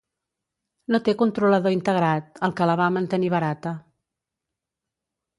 No té controlador integrat, el que la va mantenir barata.